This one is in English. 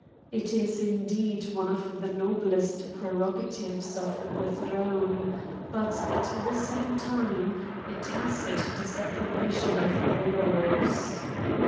It is indeed one of the noblest prerogatives of the throne, but, at the same time, a tacit disapprobation of the laws.